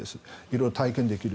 色々体験できる。